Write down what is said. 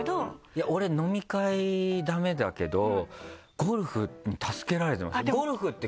俺飲み会駄目だけどゴルフに助けられてます。